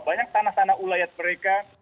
banyak tanah tanah ulayat mereka